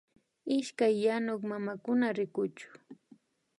Ishkay yanuk mamakuna rikuchu